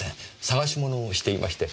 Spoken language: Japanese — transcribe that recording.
捜し物をしていまして。